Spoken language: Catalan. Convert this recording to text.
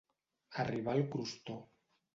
Arribar al crostó.